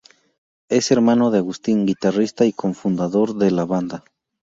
Es hermano de Agustín, guitarrista y co-fundador de la banda.